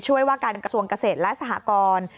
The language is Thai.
ว่าการกระทรวงเกษตรและสหกร